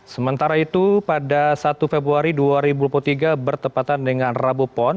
sementara itu pada satu februari dua ribu dua puluh tiga bertepatan dengan rabu pon